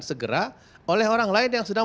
segera oleh orang lain yang sedang